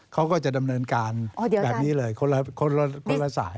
เขาก็จะดำเนินการแบบนี้เลยคนละสาย